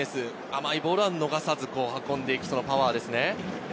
甘いボールは逃さず運んでいくパワーですね。